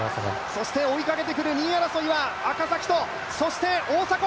そして追いかけてくる２位争いは赤崎と、そして大迫！